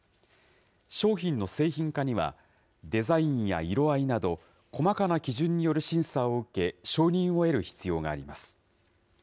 商品の製品化には、デザインや色合いなど、細かな基準による審査を受け、承認を得る必要があります。